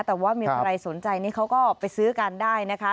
แต่ว่ามีคนอะไรสนใจเขาก็ไปซื้อกันได้นะคะ